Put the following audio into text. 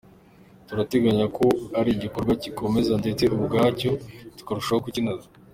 Turateganya ko ari igikorwa kizakomeza ndetse ubwacyo tukarushaho kukinoza.